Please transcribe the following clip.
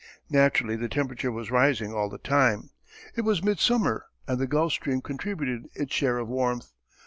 Naturally the temperature was rising all the time. It was midsummer and the Gulf Stream contributed its share of warmth.